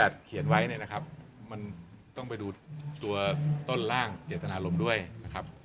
เขียนไว้เนี่ยนะครับมันต้องไปดูตัวต้นร่างเจตนารมณ์ด้วยนะครับ